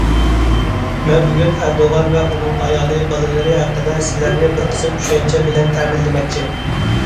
مەن بۈگۈن ئەردوغان ۋە ئۇنىڭ ئايالى، بالىلىرى ھەققىدە سىلەرنى بىر قىسىم چۈشەنچە بىلەن تەمىنلىمەكچى.